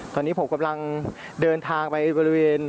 ตอนนี้ผมกำลังเดินทางไปบริเวณกลุ่มที่สุดท้ายนะครับ